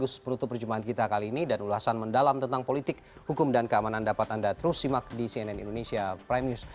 sekaligus menutup perjumpaan kita kali ini dan ulasan mendalam tentang politik hukum dan keamanan dapat anda terus simak di cnn indonesia prime news